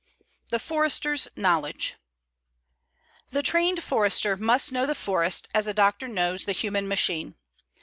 THE FORESTER'S KNOWLEDGE The trained Forester must know the forest as a doctor knows the human machine.